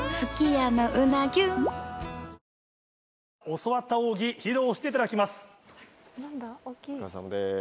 教わった奥義披露していただきます。